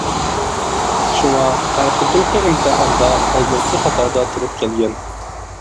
شۇڭا ھەر قېتىمقى ئىمتىھاندا ئالدىنقى قاتاردا تۇرۇپ كەلگەن.